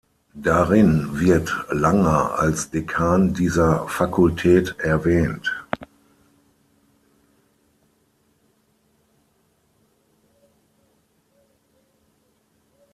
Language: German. Darin wird Langer als Dekan dieser Fakultät erwähnt.